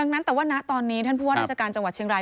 ดังนั้นแต่ว่าณตอนนี้ท่านผู้ว่าราชการจังหวัดเชียงราย